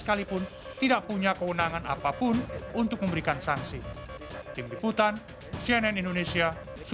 sekalipun tidak punya kewenangan apapun untuk memberikan sanksi tim diputan cnn indonesia